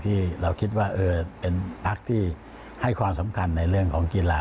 ที่เราคิดว่าเป็นพักที่ให้ความสำคัญในเรื่องของกีฬา